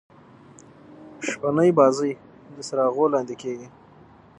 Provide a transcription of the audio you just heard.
شپنۍ بازۍ د څراغو لانديکیږي.